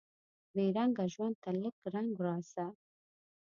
بې رنګه ژوند ته لکه رنګ راسه